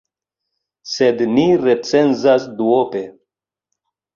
Sed ni recenzas duope.